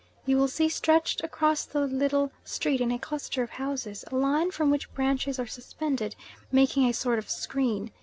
You will see stretched across the little street in a cluster of houses, a line from which branches are suspended, making a sort of screen.